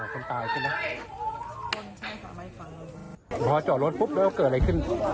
พอจอดรถปุ๊บแล้วเกิดอะไรขึ้น